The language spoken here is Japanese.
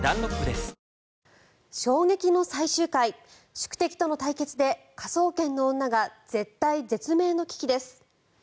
宿敵との対決で科捜研の女が絶体絶命の危機です。